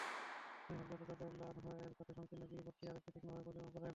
তিনি হযরত ওমর রাযিয়াল্লাহু আনহু এর কথায় সংকীর্ণ গিরিপথটি আরেকবার তীক্ষ্ণভাবে পর্যবেক্ষণ করেন।